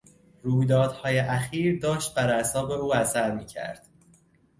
رویدادهای اخیر داشت بر اعصاب او اثر میکرد.